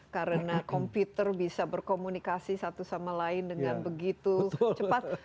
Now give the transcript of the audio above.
karena komputer bisa berkomunikasi satu sama lain dengan begitu cepat